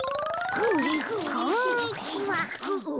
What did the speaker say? こんにちは。